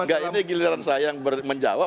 enggak ini giliran saya yang menjawab